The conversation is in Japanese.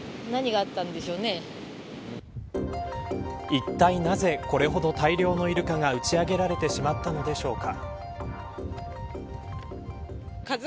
いったいなぜこれほど大量のイルカが打ち上げられてしまったのでしょうか。